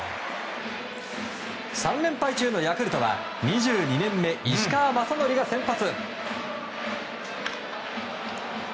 ３連敗中のヤクルトは２２年目、石川雅規が先発。